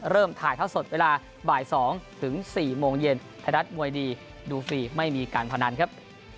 ถ่ายเท่าสดเวลาบ่าย๒ถึง๔โมงเย็นไทยรัฐมวยดีดูฟรีไม่มีการพนันครับ